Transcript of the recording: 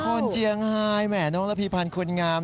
คนเจียงไฮแหมน้องระพีพันธ์คนงาม